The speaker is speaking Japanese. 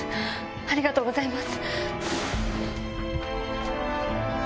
ありがとうございます。